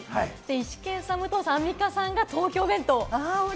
イシケンさん、武藤さん、アンミカさんが東京弁当。